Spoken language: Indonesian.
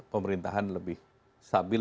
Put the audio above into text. pemerintahan lebih stabil